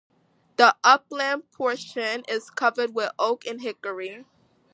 The upland portion is covered with oak and hickory.